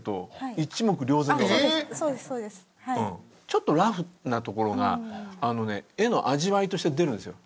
ちょっとラフなところがあのね絵の味わいとして出るんですよ